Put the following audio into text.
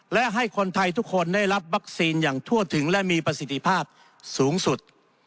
และให้คนไทยทุกคนได้รับวัคซีนอย่างทั่วถึงและมีประสิทธิภาพสูงสุด